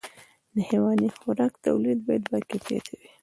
د حيواني خوراک توليد باید باکیفیته وي.